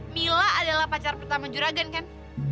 mila adalah pacar pertama juragan kan